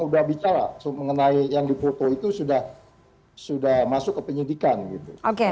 udah bicara mengenai yang dipoto itu sudah masuk ke penyidikan gitu